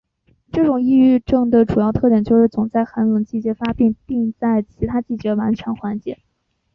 这种抑郁症的主要特点就是总是在寒冷季节发病并在其他季节完全缓解。